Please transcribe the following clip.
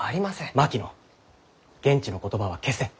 槙野現地の言葉は消せ。